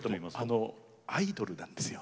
あのアイドルなんですよ。